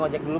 masuk bu nur